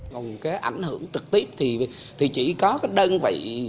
còn cái ảnh hưởng trực tiếp thì chỉ có cái đơn vị